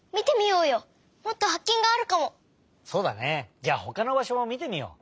じゃあほかのばしょもみてみよう。